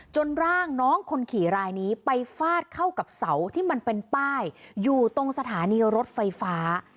ร่างน้องคนขี่รายนี้ไปฟาดเข้ากับเสาที่มันเป็นป้ายอยู่ตรงสถานีรถไฟฟ้า